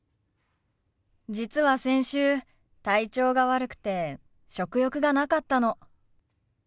実は先週体調が悪くて食欲がなかったの。